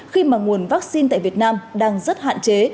khi mà nguồn vaccine tại việt nam đang rất hạn chế